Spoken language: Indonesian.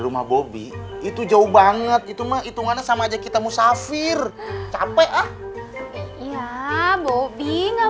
sama bobby itu jauh banget itu mah itungannya sama aja kita musafir capek ah ya bobby nggak